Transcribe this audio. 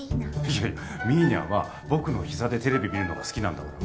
いやいやみーにゃは僕の膝でテレビ見るのが好きなんだから。